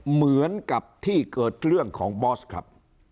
เหมือนกับที่เกิดเรื่องของบอสครับ